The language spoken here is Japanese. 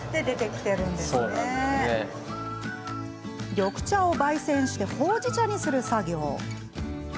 緑茶をばい煎してほうじ茶にする作業。